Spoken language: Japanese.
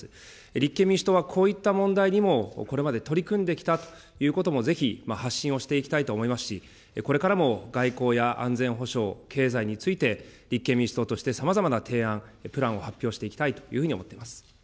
立憲民主党はこういった問題にも、これまで取り組んできたということもぜひ発信をしていきたいと思いますし、これからも外交や安全保障、経済について、立憲民主党として、さまざまな提案、プランを発表していきたいというふうに思っています。